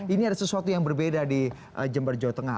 ini ada sesuatu yang berbeda di jember jawa tengah